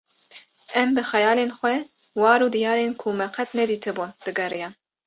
em bi xeyalên xwe war û diyarên ku me qet nedîtibûn digeriyan